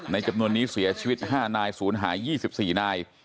จำนวนนี้เสียชีวิต๕นายศูนย์หาย๒๔นาย